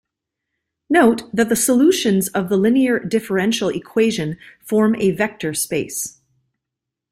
Note that the solutions of the linear differential equation form a vector space.